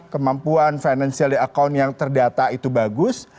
kemampuan financially account yang terdata itu bagus